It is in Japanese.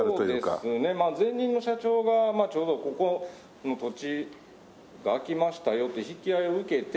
そうですねまあ前任の社長がちょうどここの土地が空きましたよって引き合いを受けて。